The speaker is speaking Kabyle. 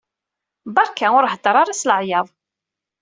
Barka ur hedder ara s laɛyaḍ.